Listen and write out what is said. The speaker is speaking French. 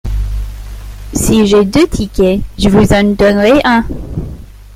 Si j’ai deux tickets, je vous en donnerai un.